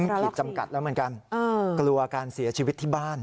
ขีดจำกัดแล้วเหมือนกันกลัวการเสียชีวิตที่บ้าน